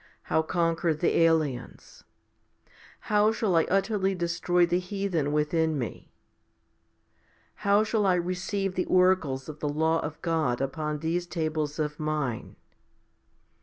how conquer the aliens ? How shall I utterly destroy the heathen within me ? How shall I receive the oracles of the law of God upon these tables of mine